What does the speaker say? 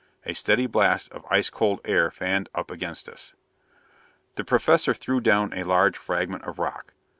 A steady blast of ice cold air fanned up against us. The Professor threw down a large fragment of rock.